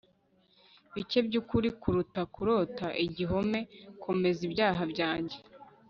bike byukuri kuruta kurota igihome komeza ibyaha byanjye